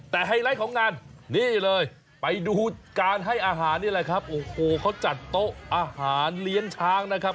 แต่ไฮไลท์ของงานนี่เลยไปดูการให้อาหารนี่แหละครับโอ้โหเขาจัดโต๊ะอาหารเลี้ยงช้างนะครับ